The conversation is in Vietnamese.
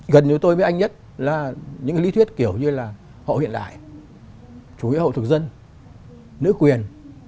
gần như tôi với anh nhất là những lý thuyết kiểu như là hậu hiện đại chủ nghĩa hậu thực dân nữ quyền